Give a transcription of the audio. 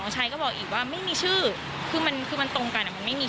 น้องชายก็บอกอีกว่าไม่มีชื่อคือมันคือมันตรงกันไม่มี